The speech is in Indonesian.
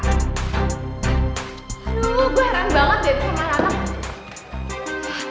aduh gue heran banget deh sama anak anak